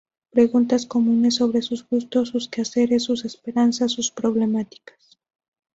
Preguntas comunes, sobre sus gustos, sus quehaceres, sus esperanzas, sus problemáticas.